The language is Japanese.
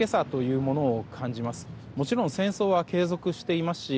もちろん戦争は継続していますし